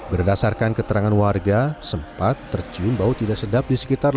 berdasarkan keterangan warga sempat tercium bau tidak sedap di sekitar lokasi